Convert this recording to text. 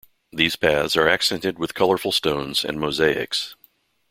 These paths are accented with colorful stones and mosaics.